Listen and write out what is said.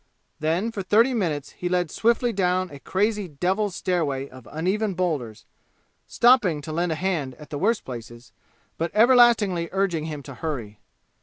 Then for thirty minutes he led swiftly down a crazy devil's stairway of uneven boulders, stopping to lend a hand at the worst places, but everlastingly urging him to hurry.